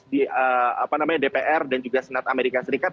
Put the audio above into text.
di dpr dan juga senat amerika serikat